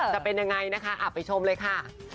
จะเป็นยังไงนะคะไปชมเลยค่ะ